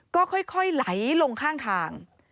ก็ค่อยไหลลงข้างทาง